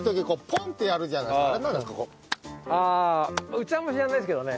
うちあんまりやらないですけどね。